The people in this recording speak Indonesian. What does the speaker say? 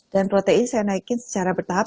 dan protein saya naikkan secara bertahap